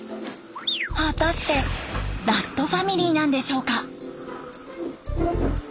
果たしてラストファミリーなんでしょうか？